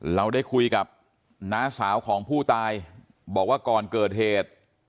เราได้คุยกับน้าสาวของผู้ตายบอกว่าก่อนเกิดเหตุ